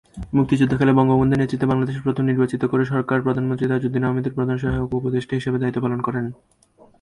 মুক্তিযুদ্ধকালে বঙ্গবন্ধুর নেতৃত্বে বাংলাদেশের প্রথম নির্বাচিত সরকারের প্রধানমন্ত্রী তাজউদ্দীন আহমদের প্রধান সহায়ক ও উপদেষ্টা হিসেবে দায়িত্ব পালন করেন।